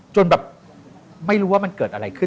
จนแบบไม่รู้ว่ามันเกิดอะไรขึ้น